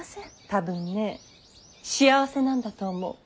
多分ね幸せなんだと思う。